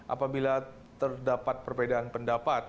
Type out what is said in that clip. apabila terdapat perbedaan pendapat